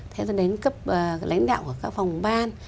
theo dẫn đến cấp lãnh đạo của các phòng ban